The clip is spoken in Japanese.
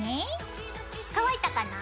乾いたかな？